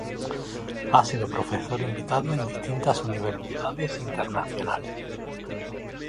Ha sido profesor invitado en distintas universidades internacionales.